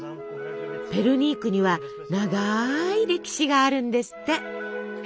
ペルニークには長い歴史があるんですって。